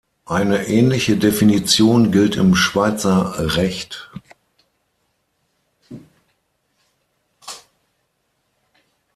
Eine ähnliche Definition gilt im Schweizer Recht.